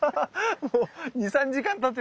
もう２３時間たってる。